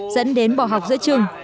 dẫn đến bỏ học giữa trường